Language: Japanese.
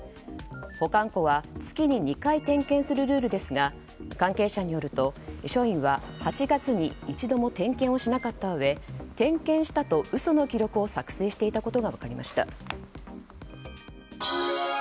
保管庫は月に２回点検するルールですが関係者によると、署員は８月に一度も点検をしなかったうえ点検したと嘘の記録を作成していたことが分かりました。